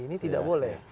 ini tidak boleh